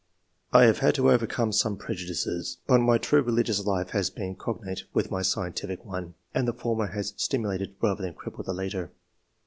I have had to overcome some prejudices, but my true religious life has been cognate with my scientific one, and the former has stimulated rather than crippled the latter."